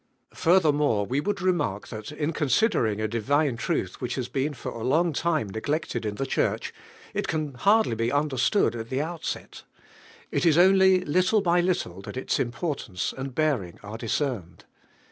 Furthermore, we would remark that in considering a divine truth which has been for a long time neglected in the Church, i't can hardly be understood at the outset. It is only little by little that its importance and bearing are discerned.